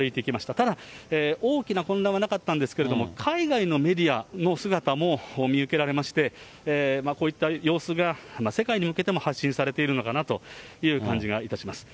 ただ、大きな混乱はなかったんですけれども、海外のメディアの姿も見受けられまして、こういった様子が世界に向けても発信されているのかなという感じがいたします。